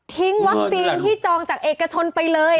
วัคซีนที่จองจากเอกชนไปเลย